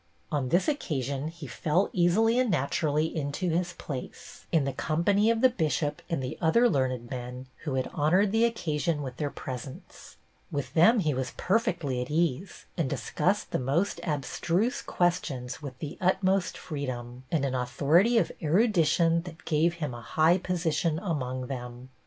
On this occasion he fell easily and naturally into his place, in the company of 18 BETTY BAIRD 274 the Bishop and tlie other learned men who had honored the occasion with their pres ence ; with them he was perfectly at ease, and discussed the most abstruse questions with the utmost freedom, and an authority of erudition that gave him a high position among them.